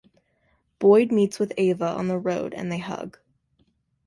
Boyd meets with Ava on the road and they hug.